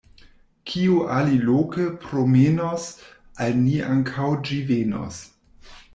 Kio aliloke promenos, al ni ankaŭ ĝi venos.